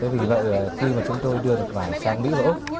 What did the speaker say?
vì vậy khi chúng tôi đưa được vải sang mỹ và úc